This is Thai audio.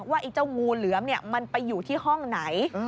ไอ้เจ้างูเหลือมมันไปอยู่ที่ห้องไหน